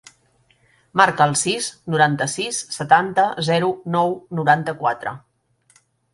Marca el sis, noranta-sis, setanta, zero, nou, noranta-quatre.